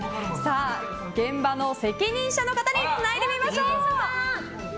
現場の責任者の方につないでみましょう。